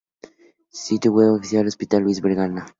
Sitio web oficial del Hospital Luis Vernaza